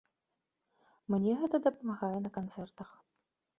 Мне гэта дапамагае на канцэртах.